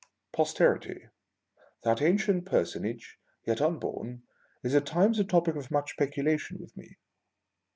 POSTERITY, that ancient personage yet un born, is at times a topic of much speculation with me.